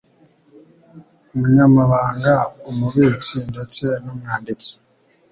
umunyamabanga umubitsi ndetse numwanditsi